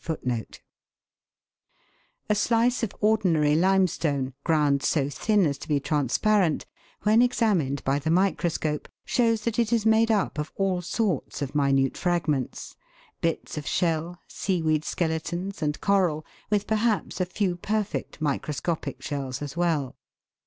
f A slice of ordinary limestone, ground so thin as to be transparent, when examined by the microscope, shows that it is made up of all sorts of minute fragments bits of shell, seaweed skeletons, and coral, with perhaps a few perfect microscopic shells as well.